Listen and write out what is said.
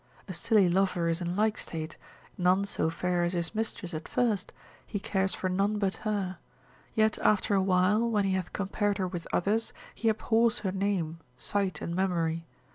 A silly lover is in like state, none so fair as his mistress at first, he cares for none but her; yet after a while, when he hath compared her with others, he abhors her name, sight, and memory.